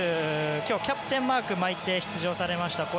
今日はキャプテンマークを巻いて出場されました。